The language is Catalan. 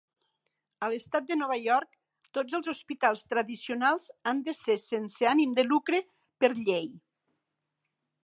A l'estat de Nova York, tots els hospitals tradicionals han de ser sense ànim de lucre per llei.